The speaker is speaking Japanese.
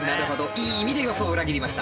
いい意味で予想を裏切りました。